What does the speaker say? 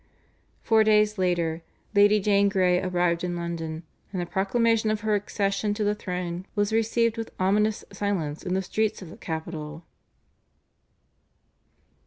Four days later Lady Jane Grey arrived in London, and the proclamation of her accession to the throne was received with ominous silence in the streets of the capital.